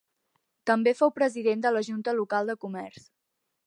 També fou president de la junta local de comerç.